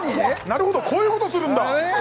なるほどこういうことするんだ！